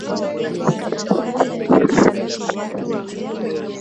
kwa mujibu wa redio congo ambayo imefika kinshasa